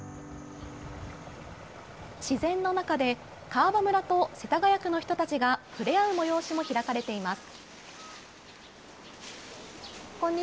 自然の中で、川場村と世田谷区の人たちが触れ合う催しも開かれています。